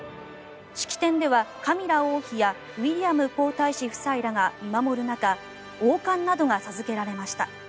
式典ではカミラ王妃やウィリアム皇太子夫妻らが見守る中王冠などが授けられました。